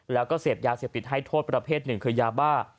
แล้วก็เสพยาเสพติดให้โทษประเภทหนึ่งคือยาบ้า